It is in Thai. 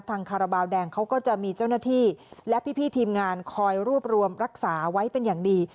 คาราบาลแดงเขาก็จะมีเจ้าหน้าที่และพี่ทีมงานคอยรวบรวมรักษาไว้เป็นอย่างดี